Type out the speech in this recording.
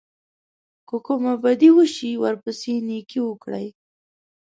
که کومه بدي وشي ورپسې نېکي وکړئ.